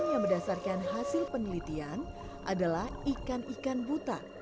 yang berdasarkan hasil penelitian adalah ikan ikan buta